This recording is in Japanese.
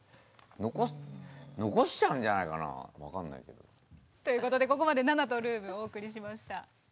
残す残しちゃうんじゃないかな分かんないけど。ということでここまで「ＮＡＮＡ」と「Ｒｏｏｍ」お送りしました。